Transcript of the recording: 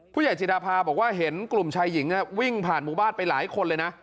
จิดาภาบอกว่าเห็นกลุ่มชายหญิงวิ่งผ่านหมู่บ้านไปหลายคนเลยนะ